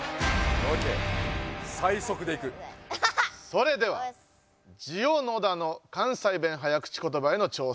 それではジオ野田の関西弁早口ことばへの挑戦です。